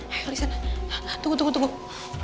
hai olisan tunggu tunggu tunggu